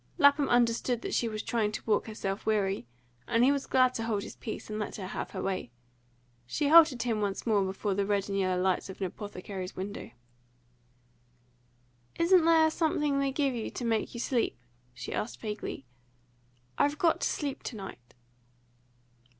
Lapham understood that she was trying to walk herself weary, and he was glad to hold his peace and let her have her way. She halted him once more before the red and yellow lights of an apothecary's window. "Isn't there something they give you to make you sleep?" she asked vaguely. "I've got to sleep to night!"